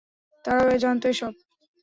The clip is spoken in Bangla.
তারাও জানতো এসব!